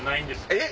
えっ？